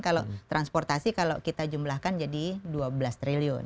kalau transportasi kalau kita jumlahkan jadi dua belas triliun